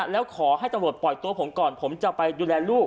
แล้วขอให้ตำรวจปล่อยตัวผมก่อนผมจะไปดูแลลูก